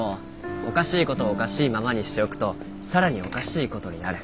おかしい事をおかしいままにしておくと更におかしい事になる。